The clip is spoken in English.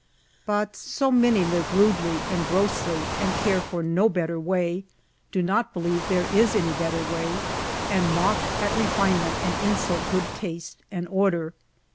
But so many live rudely and grossly, and care for no better way, do not believe there is any better way, and mock at refinement and insult good taste and order.